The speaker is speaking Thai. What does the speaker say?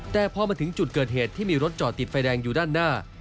แต่พอมาถึงจุดเกิดเหตุที่มีรถจอดติดไฟแดงอยู่ด้านหน้า